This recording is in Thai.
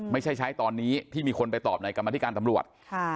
ไม่ใช่ใช้ตอนนี้ที่มีคนไปตอบในกรรมธิการตำรวจ